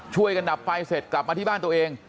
ดับไฟเสร็จกลับมาที่บ้านตัวเอง